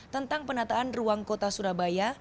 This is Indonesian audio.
tentang penataan ruang kota surabaya